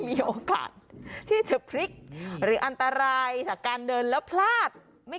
มีโอกาสที่จะพลิกหรืออันตรายจากการเดินแล้วพลาดไม่